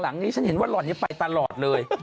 หลังนี้ฉันเห็นว่าหล่อนนี้ไปตลอดเลย